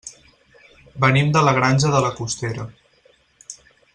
Venim de la Granja de la Costera.